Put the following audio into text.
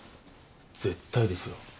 絶対ですよ。